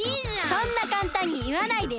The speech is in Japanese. そんなかんたんにいわないでよ！